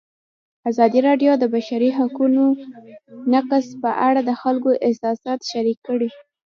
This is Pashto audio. ازادي راډیو د د بشري حقونو نقض په اړه د خلکو احساسات شریک کړي.